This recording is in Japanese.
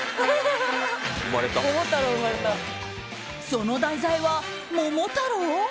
その題材は桃太郎？